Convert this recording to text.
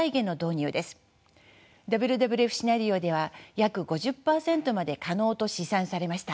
ＷＷＦシナリオでは約５０％まで可能と試算されました。